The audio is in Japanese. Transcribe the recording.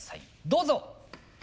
どうぞ！